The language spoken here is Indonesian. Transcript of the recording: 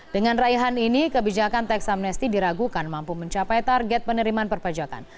dengan raihan ini kebijakan teks amnesti diragukan mampu mencapai target penerimaan perpajakan